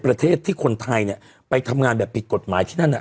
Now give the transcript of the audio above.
ประเทศไทยที่คนไทยเนี่ยไปทำงานแบบผิดกฎหมายที่นั่นน่ะ